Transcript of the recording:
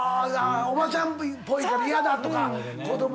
おばちゃんっぽいから嫌だとか子供が言うんだ。